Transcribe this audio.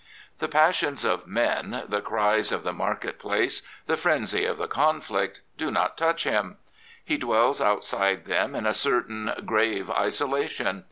The passions of men, the cries of the market place, the frenzy of the conflict do not touch him. He dwells outside them in a certain grave isolation.